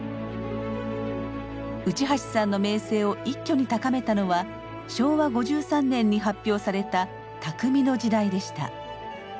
内橋さんの名声を一挙に高めたのは昭和５３年に発表された「匠の時代」でした。